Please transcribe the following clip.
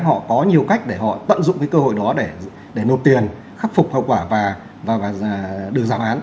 họ có nhiều cách để họ tận dụng cái cơ hội đó để nộp tiền khắc phục hậu quả và được giảm án